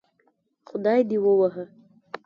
خدای دې ووهه